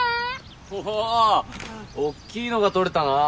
・おぉおっきいのがとれたなぁ！